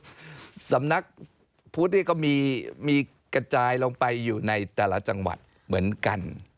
สำนักพุทธนี่ก็มีกระจายลงไปอยู่ในแต่ละจังหวัดเหมือนกัน